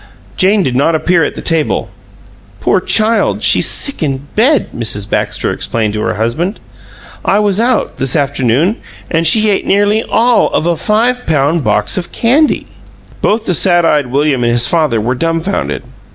Jane did not appear at the table. "Poor child! she's sick in bed," Mrs. Baxter explained to her husband. "I was out, this afternoon, and she ate nearly ALL of a five pound box of candy." Both the sad eyed William and his father were dumfounded.